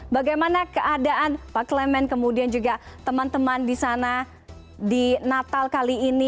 bagaimana keadaan pak clement kemudian juga teman teman di sana di natal kali ini